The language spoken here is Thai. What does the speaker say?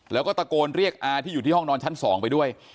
แล้วก็ตะโกนเรียกอาที่อยู่ที่ห้องนอนชั้น๒ไปด้วย